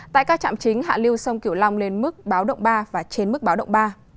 tại các trạm chính hạ liêu sông kiểu long lên mức báo động ba và trên mức báo động ba